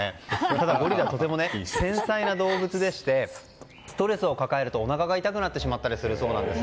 ただ、ゴリラはとても繊細な動物でしてストレスを抱えると、おなかが痛くなってしまうそうなんです。